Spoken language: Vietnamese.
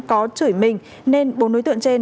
có chửi mình nên bốn đối tượng trên